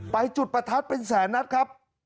จุดประทัดเป็นแสนนัดครับ